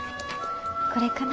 これかな？